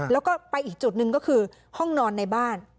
แล้วก็ไปอีกจุดหนึ่งก็คือห้องนอนในบ้าน